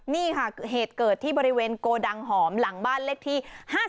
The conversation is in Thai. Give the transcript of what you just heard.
นี่ค่ะเหตุเกิดที่บริเวณโกดังหอมหลังบ้านเลขที่๕๗